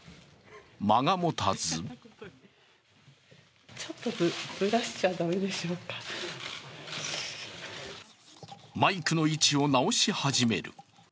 間が持たずマイクの位置を直し始める。